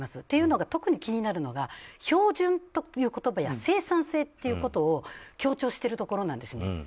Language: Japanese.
というのは特に気になるのが標準という言葉や生産性ということを強調しているところなんですね。